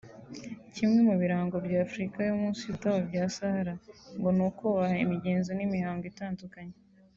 Kimwe mu birango bya Afurika yo munsi y’ubutayu bwa Sahara ngo ni ukubaha imigenzo n’imihango itandukanye